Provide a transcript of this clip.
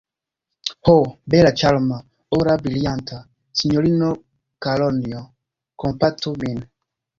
Ho, bela ĉarma, ora, brilianta sinjorino Karonjo, kompatu min!